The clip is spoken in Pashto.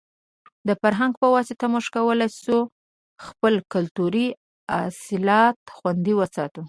د فرهنګ په واسطه موږ کولای شو خپل کلتوري اصالت خوندي وساتو.